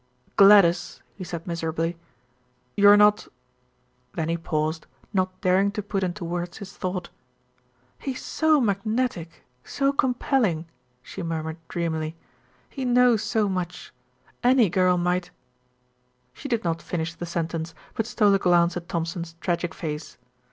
"Gladys," he said miserably, "you're not " then he paused, not daring to put into words his thought. "He's so magnetic, so compelling," she murmured dreamily. "He knows so much. Any girl might " She did not finish the sentence; but stole a glance at Thompson's tragic face.